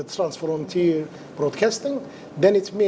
yang mengatasi broadcasting trans frontier